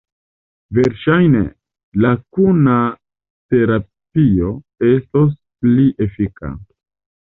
Verŝajne, la kuna terapio estos pli efika.